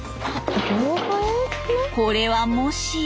これはもしや。